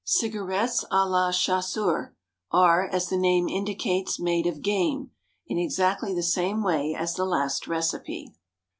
Cigarettes à la Chasseur are, as the name indicates, made of game, in exactly the same way as the last recipe.